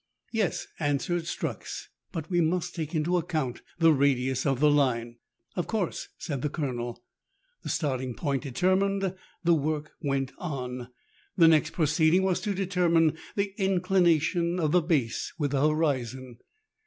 "Yes," answered Strux, "but we must take into account the radius of the line. " Of course," said the Colonel. The starting point determined, the work went on. The next proceeding was to determine the inclination of the base with the horizon.